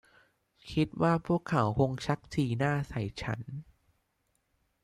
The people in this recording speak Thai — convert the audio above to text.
คิดว่าพวกเขาคงชักสีหน้าใส่ฉัน